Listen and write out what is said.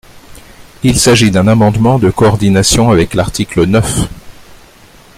Il s’agit d’un amendement de coordination avec l’article neuf.